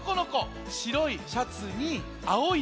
しろいシャツにあおい